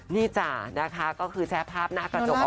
นี่จ้ะนะคะก็คือแชร์ภาพหน้ากระจก